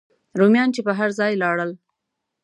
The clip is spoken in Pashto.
رومیان چې به هر ځای لاړل.